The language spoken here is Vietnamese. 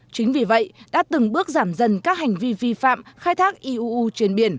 chính vì vậy đã từng bước giảm dần các hành vi vi phạm khai thác iuu trên biển